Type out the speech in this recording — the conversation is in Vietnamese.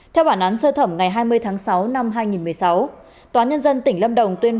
theo bản án sơ thẩm ngày hai mươi tháng sáu năm hai nghìn một mươi sáu